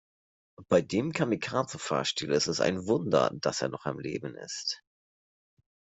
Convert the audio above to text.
Bei dem Kamikaze-Fahrstil ist es ein Wunder, dass er noch am Leben ist.